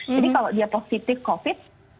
kalau dia positif covid